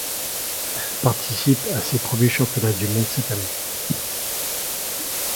Elle participe à ses premiers championnats du monde cette année.